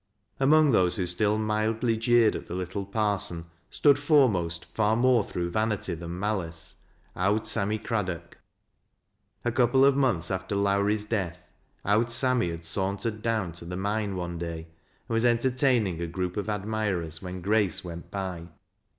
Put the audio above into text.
Among those who still mildly jeered at the little parson stood foremost, far more through vanity than malice, " Owd Sammy Craddock." A couple of months after Lowrie'a death, " Owd Sammy " had sauntered down to the mine one day, and was entertaining a group of admirera when Grace went by.